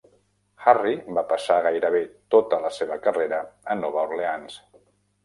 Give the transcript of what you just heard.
Harry va passar gairebé tota la seva carrera a Nova Orleans.